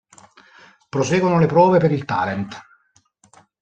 Proseguono le prove per il talent.